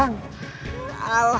jangan kemana mana pak